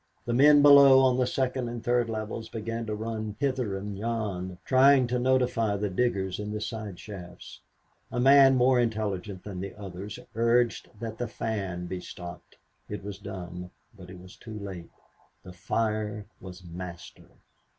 The men below on the second and third levels began to run hither and yon, trying to notify the diggers in the side shafts. A man more intelligent than the others urged that the fan be stopped. It was done, but it was too late. The fire was master.